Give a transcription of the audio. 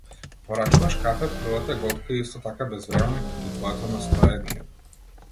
Порачуваш кафе, првата голтка е исто така безвремена, како и твоето настроение.